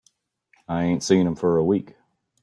I ain't seen him for a week.